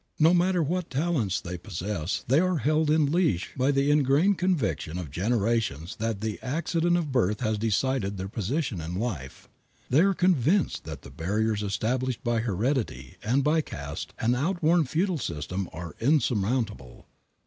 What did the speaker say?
No matter what talents they possess they are held in leash by the ingrained conviction of generations that the accident of birth has decided their position in life. They are convinced that the barriers established by heredity and by caste, an outworn feudal system, are insurmountable.